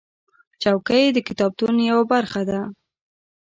چوکۍ د کتابتون یوه برخه ده.